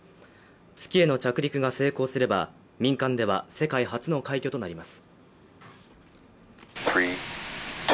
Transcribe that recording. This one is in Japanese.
月への着陸が成功すれば民間では世界初の快挙となります。